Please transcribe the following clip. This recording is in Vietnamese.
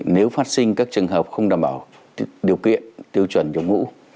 nếu phát sinh các trường hợp không đảm bảo điều kiện tiêu chuẩn điều ngũ